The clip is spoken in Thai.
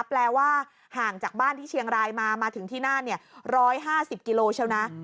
แปลว่าห่างจากบ้านที่เชียงรายมามาถึงที่น่าน๑๕๐กิโลเชียวนะ